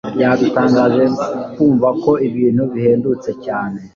Byadutangaje kumva ko ibintu bihendutse cyane